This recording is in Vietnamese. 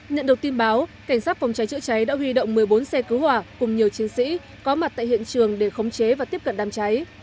nhận được tin báo cảnh sát phòng cháy chữa cháy đã huy động một mươi bốn xe cứu hỏa cùng nhiều chiến sĩ có mặt tại hiện trường để khống chế và tiếp cận đám cháy